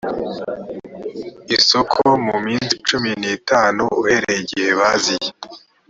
isoko mu minsi cumi n itanu uhereye igihe baziye